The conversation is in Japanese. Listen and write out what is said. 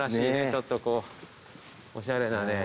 ちょっとこうおしゃれなね。